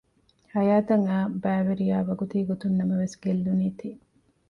ހަޔާތަށް އައި ބައިވެރިޔާ ވަގުތީގޮތުން ނަމަވެސް ގެއްލުނީތީ